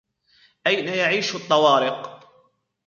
أين يعيش الطوارق؟